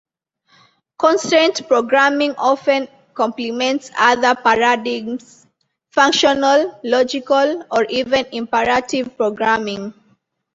Constraint programming often complements other paradigms: functional, logical, or even imperative programming.